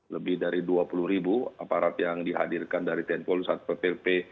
lebih dari dua puluh ribu aparat yang dihadirkan dari tni polri satpol pp